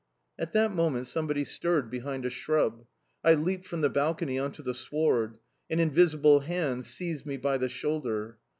At that moment somebody stirred behind a shrub. I leaped from the balcony on to the sward. An invisible hand seized me by the shoulder.